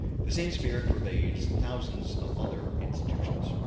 The same spirit pervades thousands of other institutions.